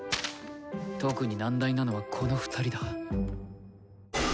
特に難題なのはこの２人だ。